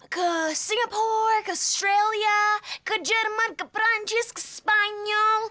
ke singapura ke australia ke jerman ke perancis ke spanyol